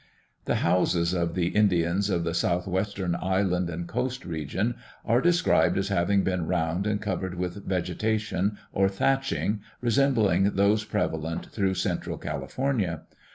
The houses of the Indians of this southwestern island and coast region are described as having been round and covered with vegetation or thatching, resembling those prevalent through central California.